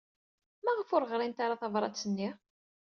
Maɣef ur ɣrint ara tabṛat-nni?